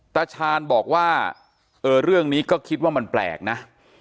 ตาชาญบอกว่าเออเรื่องนี้ก็คิดว่ามันแปลกนะ